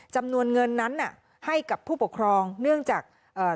จำนวนเงินนั้นน่ะให้กับผู้ปกครองเนื่องจากเอ่อ